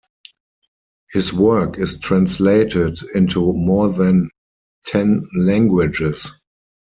His work is translated into more than ten languages.